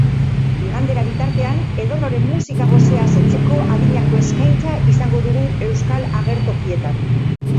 Igandera bitartean, edonoren musika gosea asetzeko adinako eskaintza izango dugu euskal agertokietan.